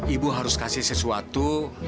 ibu harus kasih sesuatu